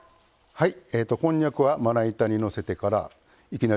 はい。